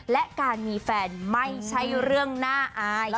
และการมีแฟนไม่ใช่เรื่องน่าอาย